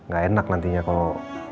gak enak nantinya kalo